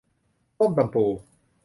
ส้มตำปู